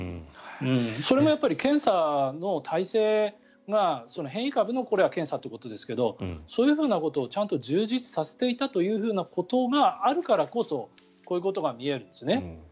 それもやっぱり検査の体制がこれは変異株の検査ということですけどそういうことをちゃんと充実させていたということがあるからこそこういうことが見えるんですね。